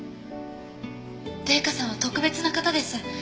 麗香さんは特別な方です。